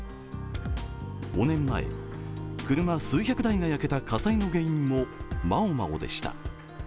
５年前、車数百台が焼けた火災の原因も、毛毛でした。